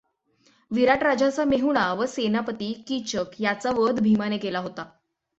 विराट राजाचा मेहुणा व सेनापती कीचक याचा वध भिमाने केला होता.